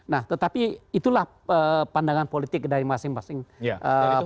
nah tetapi itulah pandangan politik dari masing masing partai